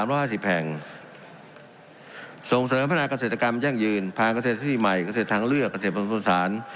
โดยส่งเสริมภาษากเกษตรกรรมแจ้งยืนผ่านเกษตรที่ใหม่เกษตรทางเลือกเกษตรผลสนุนสาร